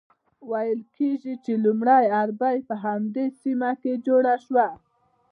ویل کیږي چې لومړۍ اربۍ په همدې سیمه کې جوړه شوه.